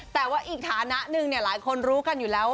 แต่ว่าอีกฐานะหนึ่งหลายคนรู้กันอยู่แล้ว